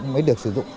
mới được sử dụng